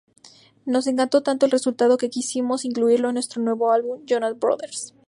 Nos encantó tanto el resultado que quisimos incluirlo en nuestro nuevo álbum" -Jonas Brothers.